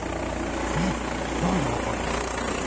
えっ何で分かるの？